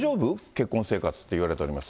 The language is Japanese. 結婚生活っていわれております。